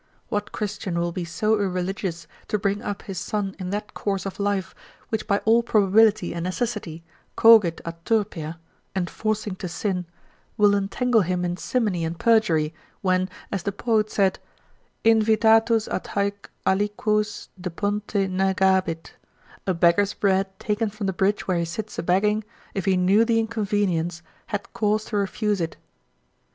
What Christian will be so irreligious, to bring up his son in that course of life, which by all probability and necessity, cogit ad turpia, enforcing to sin, will entangle him in simony and perjury, when as the poet said, Invitatus ad haec aliquis de ponte negabit: a beggar's brat taken from the bridge where he sits a begging, if he knew the inconvenience, had cause to refuse it.